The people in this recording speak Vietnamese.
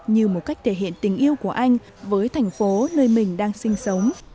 như một cách thể hiện tình yêu của anh với thành phố nơi mình đang sinh sống